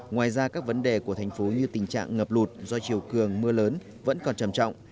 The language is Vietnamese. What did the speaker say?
ngoài ra các vấn đề của thành phố như tình trạng ngập lụt do chiều cường mưa lớn vẫn còn trầm trọng